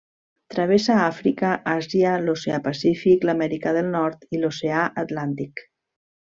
Travessa Àfrica, Àsia, l'Oceà Pacífic, l'Amèrica del Nord i l'oceà Atlàntic.